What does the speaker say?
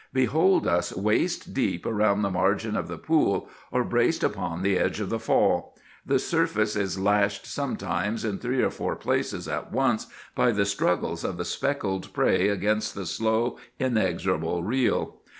Behold us waist deep around the margin of the pool, or braced upon the edge of the fall. The surface is lashed sometimes in three or four places at once by the struggles of the speckled prey against the slow, inexorable reel.